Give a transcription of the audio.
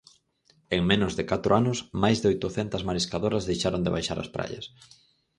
En menos de catro anos, máis de oitocentas mariscadoras deixaron de baixar ás praias.